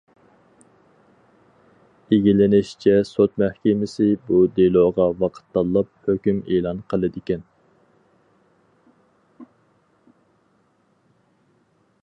ئىگىلىنىشىچە، سوت مەھكىمىسى بۇ دېلوغا ۋاقىت تاللاپ ھۆكۈم ئېلان قىلىدىكەن.